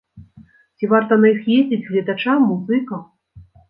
Ці варта на іх ездзіць гледачам, музыкам?